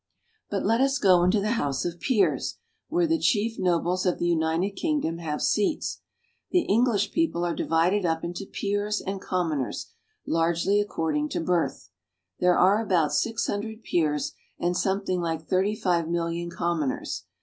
But let us go into the House of Peers, where the chief nobles of the United Kingdom have seats. The English people are divided up into peers and commoners, largely according to birth. There are about six hundred peers and something like thirty five million commoners.